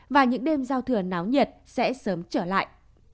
và những đêm giao thừa náo nhiệt sẽ sớm trở lại